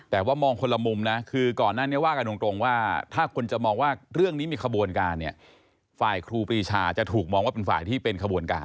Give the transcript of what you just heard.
แต่คลิกภาคดีนี้สำเร็จครูปีชาชนะ